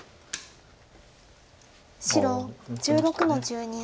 白１６の十二。